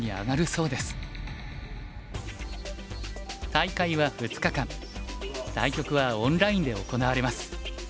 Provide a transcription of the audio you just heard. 大会は２日間対局はオンラインで行われます。